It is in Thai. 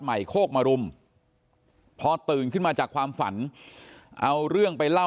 โคกมรุมพอตื่นขึ้นมาจากความฝันเอาเรื่องไปเล่า